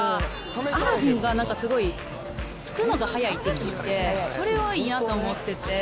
アラジンがなんかすごい、つくのが早いって聞いて、それはいいなと思ってて。